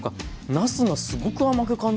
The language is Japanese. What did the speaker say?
なすがすごく甘く感じるんですね。